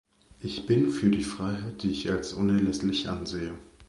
Ich bin für die Freiheit, die ich als unerlässlich ansehe.